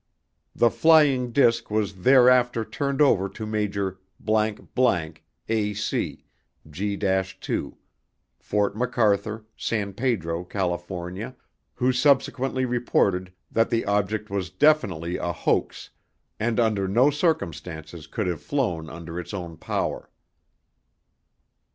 The "flying disc" was thereafter turned over to Major ________ A.C., G 2, Fort MacArthur, San Pedro, California, who subsequently reported that the object was definitely a hoax and under no circumstances could have flown under its own power.